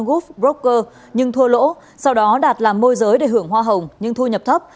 goof broker nhưng thua lỗ sau đó đạt làm môi giới để hưởng hoa hồng nhưng thu nhập thấp